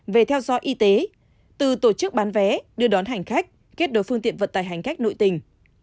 về theo dõi y tế từ tổ chức bán vé đưa đón hành khách kết đối phương tiện vận tải hành khách nội tình